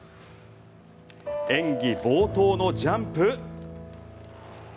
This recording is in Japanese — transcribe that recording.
演技冒頭のジャンプ。